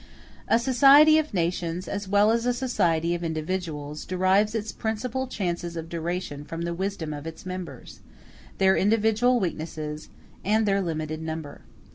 A society of nations, as well as a society of individuals, derives its principal chances of duration from the wisdom of its members, their individual weakness, and their limited number.